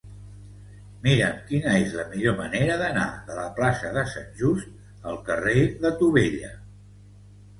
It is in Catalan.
Mira'm quina és la millor manera d'anar de la plaça de Sant Just al carrer de Tubella.